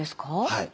はい。